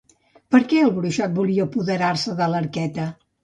Per què el bruixot volia apoderar-se de l'arqueta?